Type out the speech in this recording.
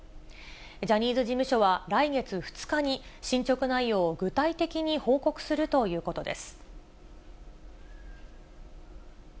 ジャニーズ事務所は、来月２日に、進捗内容を具体的に報告するということです。